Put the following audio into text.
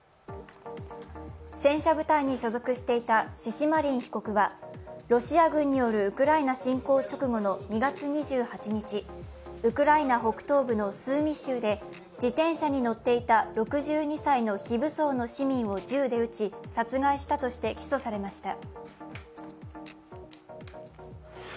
戦車部隊に所属していたシシマリン被告はロシア軍によるウクライナ侵攻直後の２月２８日、ウクライナ北東部のスーミ州で自転車に乗っていた６２歳の非武装の市民を銃で撃ち、殺害したとして起訴されました。